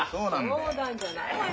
冗談じゃないわよ